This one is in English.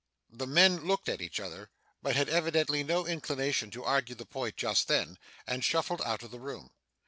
The men looked at each other, but had evidently no inclination to argue the point just then, and shuffled out of the room.